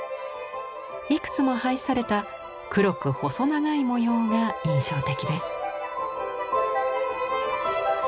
いくつも配された黒く細長い模様が印象的です。